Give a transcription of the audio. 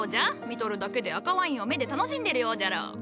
見とるだけで赤ワインを目で楽しんでるようじゃろう。